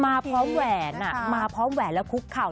มาพร้อมแหวนมาพร้อมแหวนแล้วคุกเข่า